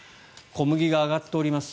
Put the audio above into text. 小麦が上がっています。